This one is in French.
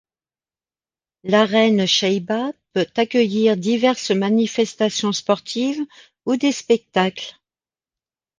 L'arène Chaïba peut accueillir diverses manifestations sportives ou des spectacles.